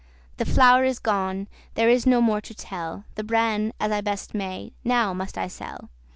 The flour is gon, there is no more to tell, The bran, as I best may, now must I sell.